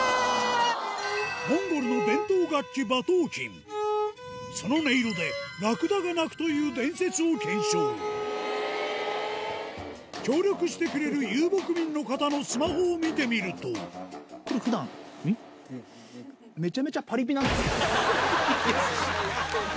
モンゴルの伝統楽器馬頭琴その音色でラクダが泣くという伝説を検証協力してくれる遊牧民の方のスマホを見てみるとめちゃめちゃパリピなんですけど。